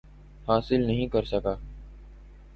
ی حاصل نہیں کر سک